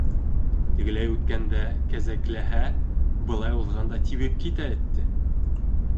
Тегеләй үткәндә кәзекләһә, былай уҙғанда тибеп китә этте.